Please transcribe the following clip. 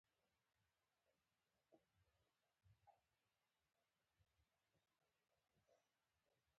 ځانګړي اقتصادي زونونه جوړ شول.